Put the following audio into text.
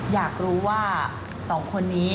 อยากรู้ว่า๒คนนี้